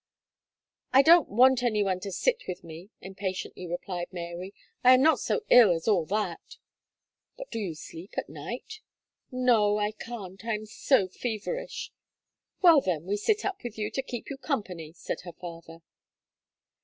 "I don't want any one to sit with me," impatiently replied Mary, "I am not so ill as all that." "But do you sleep at night?" "No, I can't I am so feverish." "Well, then, we sit up with you to keep you company," said her father.